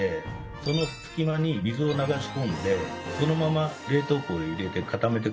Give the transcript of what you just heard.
その隙間に水を流し込んでそのまま冷凍庫へ入れて固めてください。